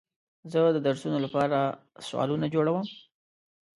زه د درسونو لپاره سوالونه جوړوم.